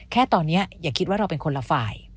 แค่ตอนนี้อย่าคิดว่าเราเป็นคนละฝ่าย